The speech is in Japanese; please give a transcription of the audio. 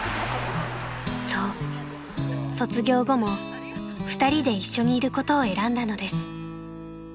［そう卒業後も２人で一緒にいることを選んだのです］